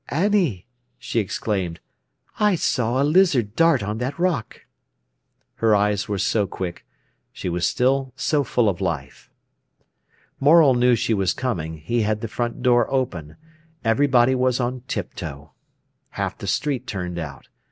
"Annie," she exclaimed, "I saw a lizard dart on that rock!" Her eyes were so quick; she was still so full of life. Morel knew she was coming. He had the front door open. Everybody was on tiptoe. Half the street turned out.